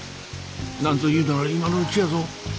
何ぞ言うなら今のうちやぞ。